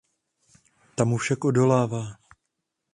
Ta mu však odolává.